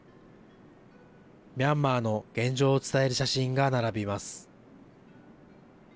ミャンマーの現状を伝える写真が並びます。